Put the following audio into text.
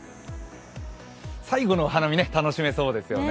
最後のお花見、楽しめそうですよね。